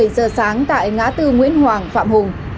bảy giờ sáng tại ngã tư nguyễn hoàng phạm hùng